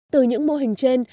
từ những mô hình trên